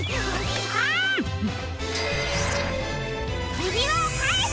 ゆびわをかえせ！